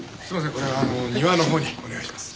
これは庭のほうにお願いします。